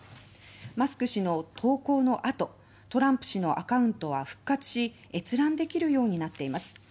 マスク氏の投稿の後トランプ氏のアカウントは復活し閲覧できるようになっています。